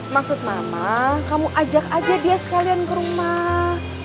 maksud mama kamu ajak aja dia sekalian ke rumah